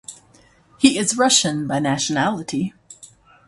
He is Russian by nationality.